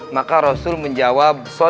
maka rasul menjawabnya